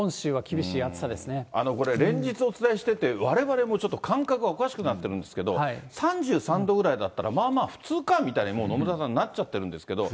けれこれ、連日お伝えしてて、われわれもちょっと感覚がおかしくなってるんですけど、３３度ぐらいだったら、まあまあ普通かみたいに、もう、野村さん、なっちゃってるんですけれども。